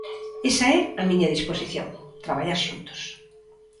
Esa é a miña disposición, traballar xuntos.